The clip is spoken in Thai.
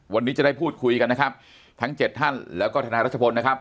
วันนี้จะได้พูดคุยกันนะครับทั้ง๗ท่านแล้วก็ธนายรัชพลนะครับ